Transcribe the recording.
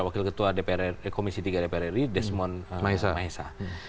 wakil ketua komisi tiga dprri desmond maesa